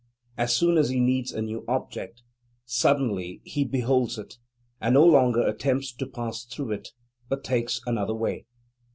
As soon as he needs a new object, suddenly he beholds it, and no longer attempts to pass through it, but takes another way.